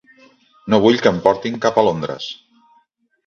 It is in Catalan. No vull que en portin cap a Londres.